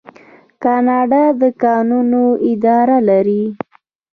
کاناډا د کانونو اداره لري.